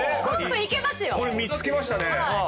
これ３つきましたね。